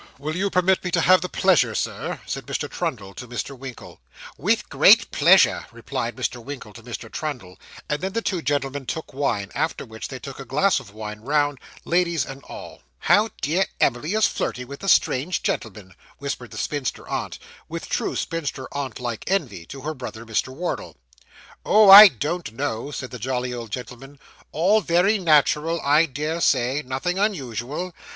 'Will you permit me to have the pleasure, Sir?' said Mr. Trundle to Mr. Winkle. 'With great pleasure,' replied Mr. Winkle to Mr. Trundle, and then the two gentlemen took wine, after which they took a glass of wine round, ladies and all. 'How dear Emily is flirting with the strange gentleman,' whispered the spinster aunt, with true spinster aunt like envy, to her brother, Mr. Wardle. 'Oh! I don't know,' said the jolly old gentleman; 'all very natural, I dare say nothing unusual.